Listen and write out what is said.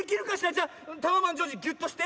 じゃタワマンじょうじギュッとして。